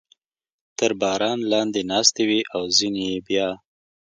تر باران لاندې ناستې وې او ځینې یې بیا.